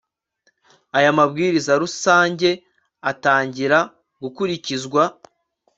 aya mabwiriza rusange atangira gukurikizwa